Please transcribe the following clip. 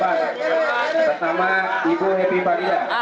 atas nama ibu hapibadidah